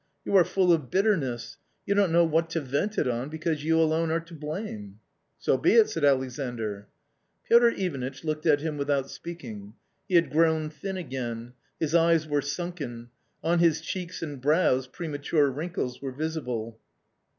You are full of bitterness ; you don't know what to vent it on, because you alone are to blame." " So be it !" said Alexandr. Piotr Ivanitch looked at him without speaking. He had_ g rown thin again. His eyes were sunk en. On his cheeks and brows premature wnnkles were visible.